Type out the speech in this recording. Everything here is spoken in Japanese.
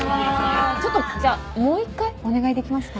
ちょっとじゃあもう一回お願いできますか？